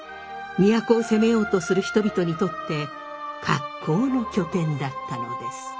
都を攻めようとする人々にとって格好の拠点だったのです。